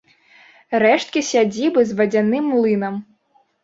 Рэшткі сядзібы з вадзяным млынам.